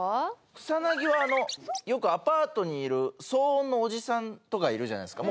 草薙はよくアパートにいる騒音のおじさんとかいるじゃないですか。